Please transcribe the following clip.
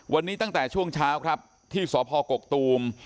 วันนี้ตั้งแต่ช่วงเช้าครับที่สพกกตูม